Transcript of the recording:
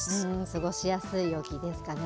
過ごしやすい陽気ですかね。